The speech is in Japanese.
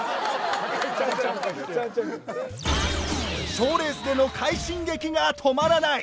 賞レースでの快進撃が止まらない！